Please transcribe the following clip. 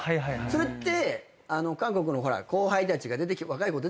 それって。